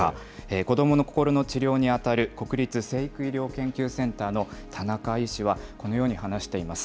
子どもの心の治療に当たる、国立成育医療研究センターの田中医師は、このように話しています。